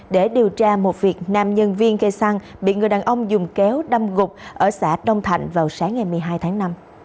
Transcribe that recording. để điều tra một việc nam nhân viên cây xăng bị người đàn ông dùng kéo đâm gục ở xã đông thạnh vào sáng ngày một mươi hai tháng năm